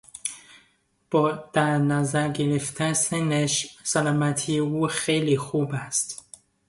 با در نظر گرفتن سنش سلامتی او خیلی خوب است.